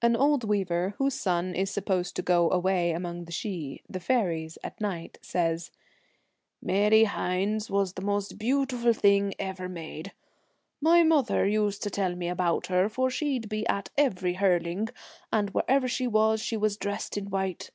An old weaver, whose son is supposed to go away among the Sidhe (the faeries) 40 at night, says, ' Mary Hynes was the most 'Dust hath , r ....__. closed beautiful thing ever made. My mother Helen's used to tell me about her, for she'd be at every hurling, and wherever she was she was dressed in white.